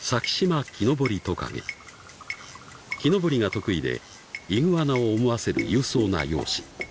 ［木登りが得意でイグアナを思わせる勇壮な容姿］